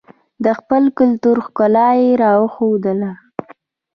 د خپل کلتور ښکلا یې راښودله.